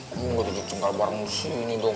kamu gak tidur cengkal bareng disini dong